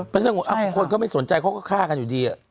เป็นสัตว์สงวนคนก็ไม่สนใจเค้าก็ฆ่ากันอยู่ดีอ่ะ